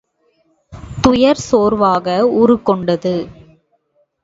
துயர் சோர்வாக உருக்கொண்டது.